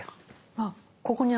あっここにあるわ。